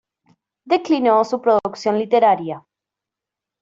Declinó su producción literaria.